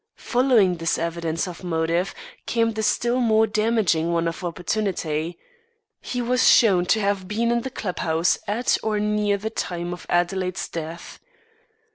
Following this evidence of motive, came the still more damaging one of opportunity. He was shown to have been in the club house at or near the time of Adelaide's death.